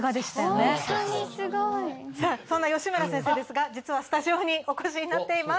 さあそんな吉村先生ですが実はスタジオにお越しになっています。